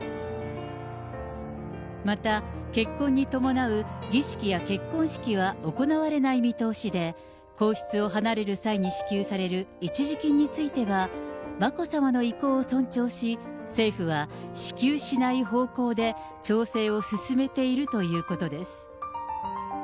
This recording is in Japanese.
また、結婚に伴う儀式や結婚式は行われない見通しで、皇室を離れる際に支給される一時金については、眞子さまの意向を尊重し、政府は支給しない方向で調整を進めているということです。